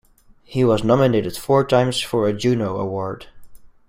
He was nominated four times for a Juno Award.